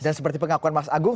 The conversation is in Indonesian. dan seperti pengakuan mas agung